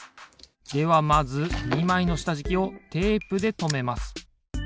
ではまず２まいのしたじきをテープでとめます。